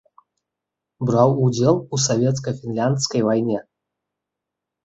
Браў удзел у савецка-фінляндскай вайне.